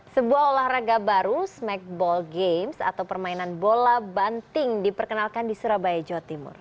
sebuah olahraga baru smackball games atau permainan bola banting diperkenalkan di surabaya jawa timur